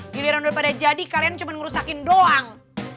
giliran daripada jadi kalian cuma ngerusakin doang